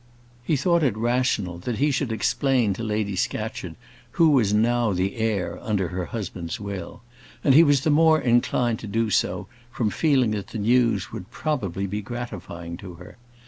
He thought it rational that he should explain to Lady Scatcherd who was now the heir under her husband's will; and he was the more inclined to do so, from feeling that the news would probably be gratifying to her.